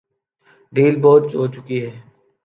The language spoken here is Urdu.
ڈھیل بہت ہو چکی۔